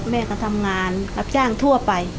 แม่ก็ทำงานรับจ้างทั่วไป